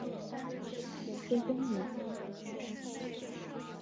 元朔匈奴祭祀祖先的龙城。